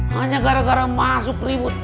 hanya gara gara masuk ribut